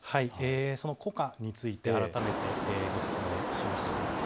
その効果について改めてご説明します。